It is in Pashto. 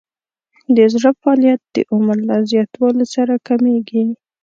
د زړه فعالیت د عمر له زیاتوالي سره کمیږي.